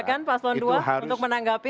silakan pak son dua untuk menanggapi